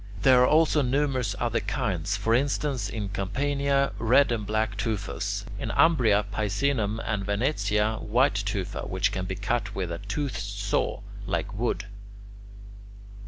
There are also numerous other kinds: for instance, in Campania, red and black tufas; in Umbria, Picenum, and Venetia, white tufa which can be cut with a toothed saw, like wood.